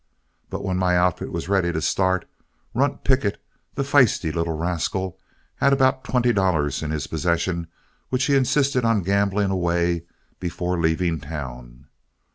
But when my outfit was ready to start, Runt Pickett, the feisty little rascal, had about twenty dollars in his possession which he insisted on gambling away before leaving town.